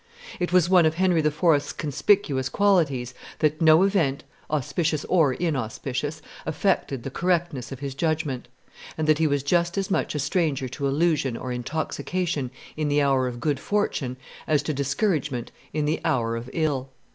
It was one of Henry IV.'s conspicuous qualities that no event, auspicious or inauspicious, affected the correctness of his judgment, and that he was just as much a stranger to illusion or intoxication in the hour of good fortune as to discouragement in the hour of ill.